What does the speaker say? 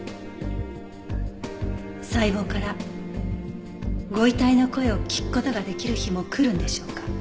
細胞からご遺体の声を聞く事ができる日も来るんでしょうか？